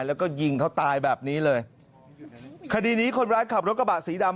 แล้วก็ยิงเขาตายแบบนี้เลยคดีนี้คนร้ายขับรถกระบะสีดำ